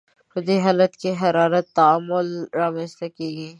په دې حالت کې حرارتي تعادل رامنځته کیږي.